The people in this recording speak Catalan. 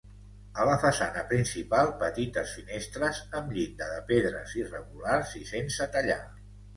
A la façana principal petites finestres, amb llinda de pedres irregulars i sense tallar.